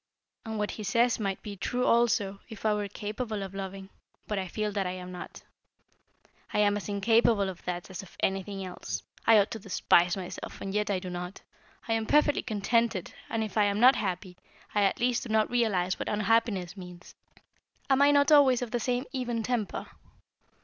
"And what he says might be true also, if I were capable of loving. But I feel that I am not. I am as incapable of that as of anything else. I ought to despise myself, and yet I do not. I am perfectly contented, and if I am not happy I at least do not realise what unhappiness means. Am I not always of the same even temper?"